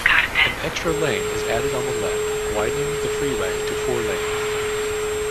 An extra lane is added on the left, widening the freeway to four lanes.